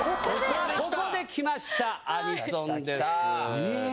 ここできました「アニソン」です。